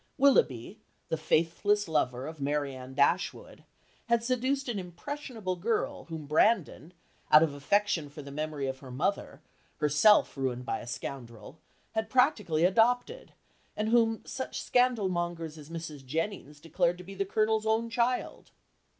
Willoughby, the faithless lover of Marianne Dashwood, had seduced an impressionable girl whom Brandon, out of affection for the memory of her mother, herself ruined by a scoundrel, had practically adopted, and whom such scandal mongers as Mrs. Jennings declared to be the Colonel's own child.